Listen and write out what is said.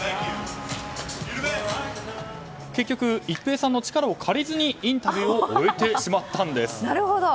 結局、一平さんの力を借りずにインタビューを終えてしまったんです。